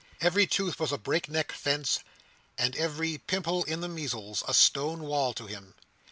Every tooth was a break neck fence, and every pimple in the measles a stone wall to him.